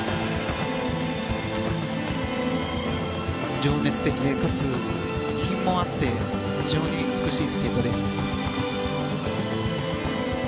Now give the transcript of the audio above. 情熱的でかつ品もあって非常に美しいスケートです。